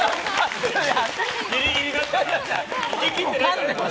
ギリギリだったな。